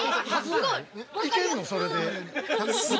◆いけるの、それで。